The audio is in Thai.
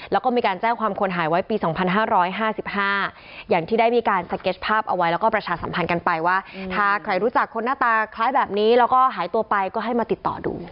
แล้วก็มีการแจ้งความคนหายไว้ปี๒๕๕๕อย่างที่ได้มีการสเก็ตภาพเอาไว้แล้วก็ประชาสัมพันธ์กันไปว่าถ้าใครรู้จักคนหน้าตาคล้ายแบบนี้แล้วก็หายตัวไปก็ให้มาติดต่อดู